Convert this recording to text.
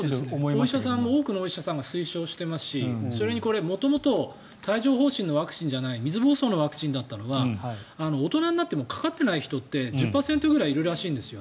お医者さんも多くのお医者さんが推奨していますしそれにこれは元々、帯状疱疹のワクチンじゃない水ぼうそうのワクチンだったのが大人になってもかかっていない人って１０％ぐらいいるらしいんです。